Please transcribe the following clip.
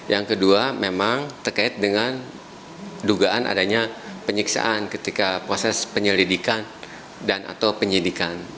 yang kedua memang terkait dengan dugaan adanya penyiksaan ketika proses penyelidikan dan atau penyidikan